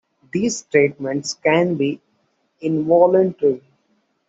These treatments can be involuntary.